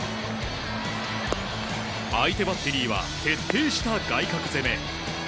相手バッテリーは徹底した外角攻め。